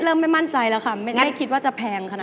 ไม่มั่นใจแล้วค่ะไม่คิดว่าจะแพงขนาด